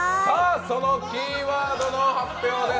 そのキーワードの発表です。